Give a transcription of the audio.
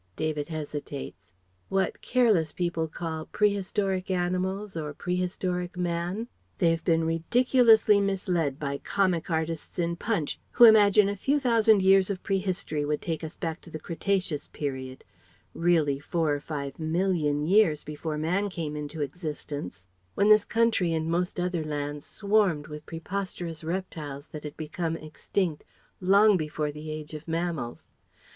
(David hesitates) "What careless people call 'prehistoric animals' or 'prehistoric man.' They have been ridiculously misled by comic artists in Punch who imagine a few thousand years of Prehistory would take us back to the Cretaceous period; really four or five million years before Man came into existence, when this country and most other lands swarmed with preposterous reptiles that had become extinct long before the age of mammals.